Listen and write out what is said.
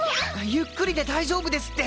ゆっくりで大丈夫ですって！